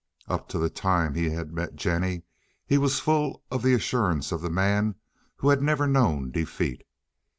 Up to the time he had met Jennie he was full of the assurance of the man who has never known defeat.